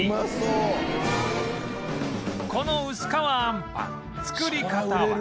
この薄皮あんぱん作り方は